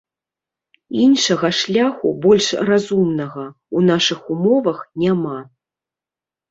Іншага шляху, больш разумнага, у нашых умовах няма.